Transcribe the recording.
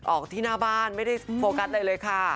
ออกที่หน้าบ้านไม่ได้โฟกัสอะไรเลยค่ะ